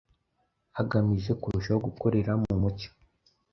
hagamije kurushaho gukorera mu mucyo,